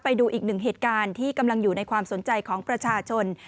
ไปดูอีกหนึ่งเหตุการณ์ที่กำลังอยู่ในความสนใจของประชาชน